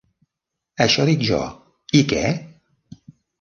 Això dic jo: i què?